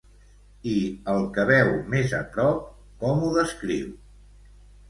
I el que veu més a prop, com ho descriu?